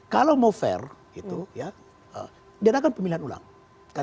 kalau mau fair gitu ya